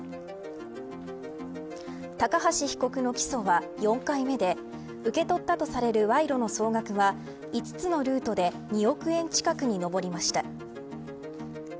高橋被告の起訴は４回目で受け取ったとされる賄賂の総額は５つのルートで２億円近くに上りました。